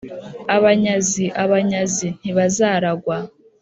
Abanyazi abanyazi ntibazaragwa